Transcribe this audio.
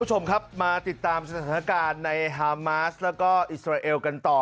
คุณผู้ชมครับมาติดตามสถานการณ์ในฮามาสแล้วก็อิสราเอลกันต่อ